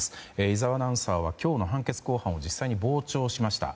井澤アナウンサーは今日の判決公判を実際に傍聴しました。